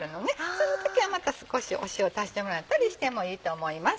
その時はまた少し塩足してもらったりしてもいいと思います。